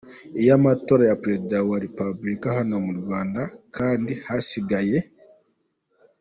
iy’amatora ya Perezida wa Repubulika hano mu Rwanda kandi hasigaye